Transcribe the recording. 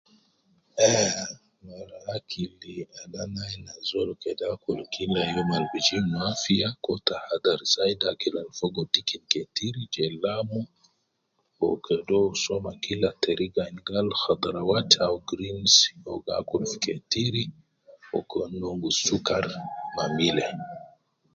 Ehhh, akili al ana ayin azol kede akul kila youm al bi jib no afiya koo tahadhar zaidi akil al fogo dikin ketir je lamu, wu kede uwo so ma kila teriga al gal khadarawat au greens, uwo gi akul fi ketir, wu uwo ke nongus sukar me mile.